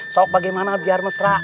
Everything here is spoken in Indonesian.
sok bagaimana biar mesra